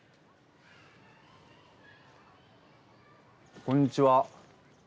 ・こんにちは。